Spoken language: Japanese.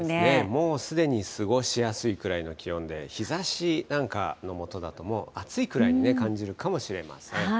もうすでに過ごしやすいくらいの気温で、日ざしなんかの下だと、もう暑いくらいに感じるかもしれません。